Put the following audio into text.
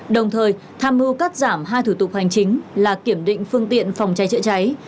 đồng thời tham mưu cắt giảm hai thủ tục hành chính là kiểm định phương tiện phòng cháy chữa cháy